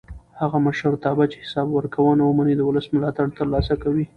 هغه مشرتابه چې حساب ورکوونه ومني د ولس ملاتړ تر لاسه کوي